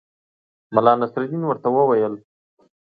ملا نصرالدین ورته وویل.